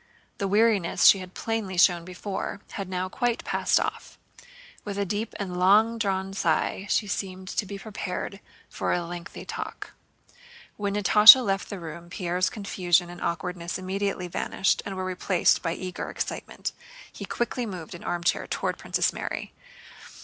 The weariness she had plainly shown before had now quite passed off. With a deep and long drawn sigh she seemed to be prepared for a lengthy talk. When Natásha left the room Pierre's confusion and awkwardness immediately vanished and were replaced by eager excitement. He quickly moved an armchair toward Princess Mary.